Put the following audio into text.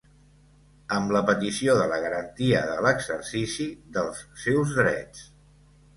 Amb la petició de la garantia de l’exercici dels seus drets.